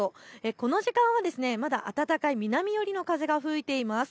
この時間はまだ暖かい南寄りの風が吹いています。